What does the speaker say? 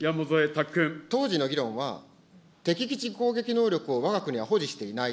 当時の議論は、敵基地攻撃能力をわが国は保持していない。